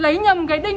nó lấy nhầm cái đinh